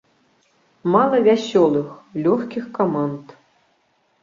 Мала вясёлых, лёгкіх каманд.